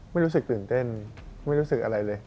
ไม่รู้สึกตื่นเต้นไม่รู้สึกอะไรเลย